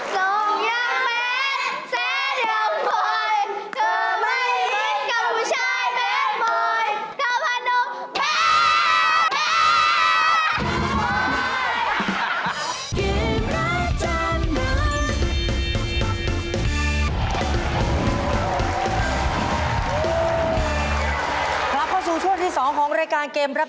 สงหยังแบทแซนอย่างบ่อย